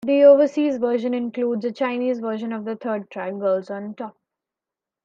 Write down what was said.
The overseas version includes a Chinese version of the third track, "Girls on Top".